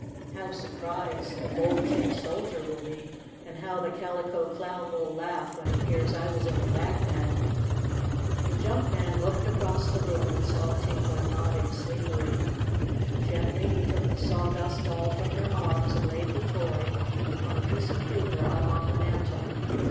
How surprised the Bold Tin Soldier will be, and how the 102 STORY OF A SAWDUST DOLL Calico Clown will laugh when he hears I was in a rag bag!" The junk man looked across the room and saw Tinka nodding sleepily. Gently he took the Sawdust Doll from her arms and laid the toy on a piece of paper up on the mantel.